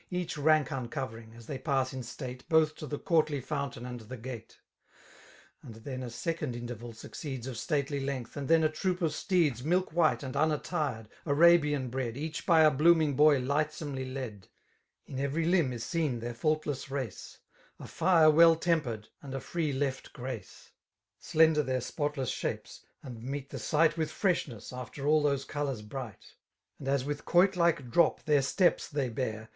Each rank uncovering, as they pass in state. Both to the courtly fountain and the gate. And then a second interval succeeds Of stately length, and then a troop of steeds Milkwhite and unattired> Arabian bred, Eaoh by a blooming boy lightsomely led s In every limb is seen their faol^ess race, A fire well tempered, and a free left grace: Slender their spotless shapes, and meet ibt sight With freshness^ after all those colburs bright: And as with quoit4ike drop their, steps they bear.